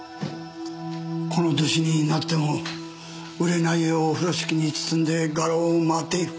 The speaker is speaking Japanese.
この歳になっても売れない絵を風呂敷に包んで画廊を回っている。